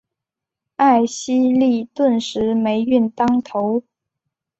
艾希莉顿时霉运当头。